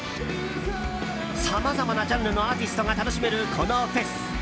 さまざまなジャンルのアーティストが楽しめるこのフェス。